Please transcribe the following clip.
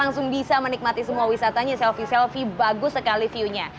memang saya langsung bisa menikmati semua wisatanya selfie selfie bagus sekali viewnya